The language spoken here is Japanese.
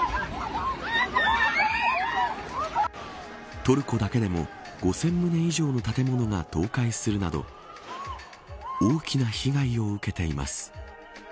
トルコだけでも５０００棟以上の建物が倒壊するなど大きな被害を受けています。